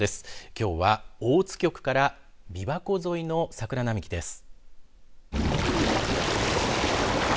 きょうは大津局から琵琶湖沿いの桜並木です。